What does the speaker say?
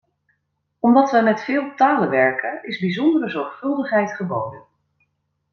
Omdat we met veel talen werken, is bijzondere zorgvuldigheid geboden.